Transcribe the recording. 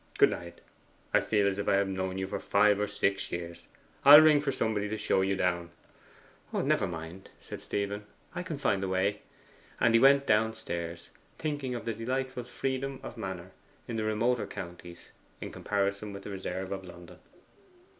Good night; I feel as if I had known you for five or six years. I'll ring for somebody to show you down.' 'Never mind,' said Stephen, 'I can find the way.' And he went downstairs, thinking of the delightful freedom of manner in the remoter counties in comparison with the reserve of London.